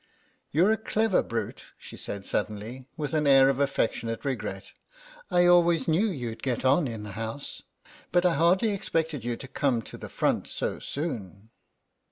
"You're a clever brute," she said, suddenly, with an air of affectionate regret; "I always knew you'd get on in the House, but I hardly expected you to come to the front so soon."